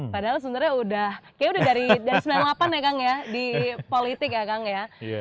padahal sebenarnya udah kayaknya udah dari sembilan puluh delapan ya kang ya di politik ya kang ya